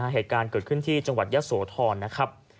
เหตุการณ์เกิดขึ้นที่จังหวัดยะโสธรนะครับ